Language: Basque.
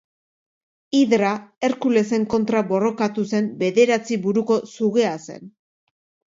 Hidra Herkulesen kontra borrokatu zen bederatzi buruko sugea zen.